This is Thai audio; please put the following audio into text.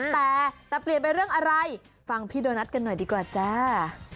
แต่แต่เปลี่ยนไปเรื่องอะไรฟังพี่โดนัทกันหน่อยดีกว่าจ้า